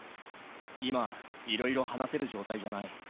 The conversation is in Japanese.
今、いろいろ話せる状態じゃない。